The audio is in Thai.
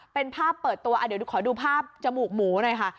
เป็นภาพเปิดตัวเดี๋ยวขอดูภาพจมูกหมูหน่อยค่ะ